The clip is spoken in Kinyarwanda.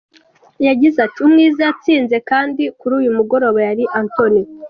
Yagize ati “ Umwiza yatsinze, kandi kuri uyu mugoroba yari Anthony.